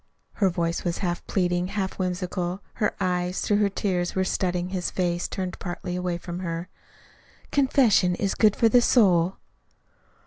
Her voice was half pleading, half whimsical. Her eyes, through her tears, were studying his face, turned partly away from her. "Confession is good for the soul."